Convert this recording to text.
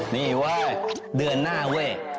นี่เว้ยเดือนหน้าเว้ย